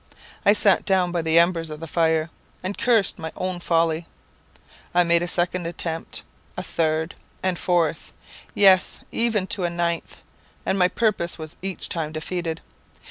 I sat down by the embers of the fire, and cursed my own folly. I made a second attempt a third and fourth; yes, even to a ninth and my purpose was each time defeated.